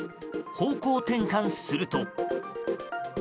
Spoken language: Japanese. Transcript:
方向転換すると。